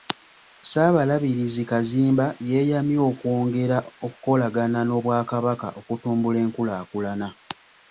Ssaabalabirizi Kazimba yeeyamye okwongera okukolagana n’Obwakabaka okutumbula enkulaakulana.